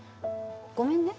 ごめんね。